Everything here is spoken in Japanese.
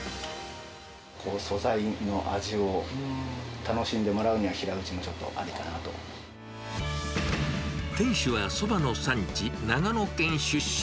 素材の味を楽しんでもらうには、店主はそばの産地、長野県出身。